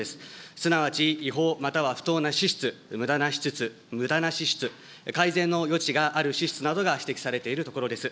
すなわち違法または不当な支出、むだな支出、むだな支出、改善の余地がある支出などの指摘されているところです。